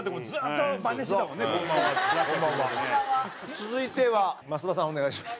続いては増田さんお願いします。